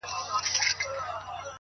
• او ملي سرود -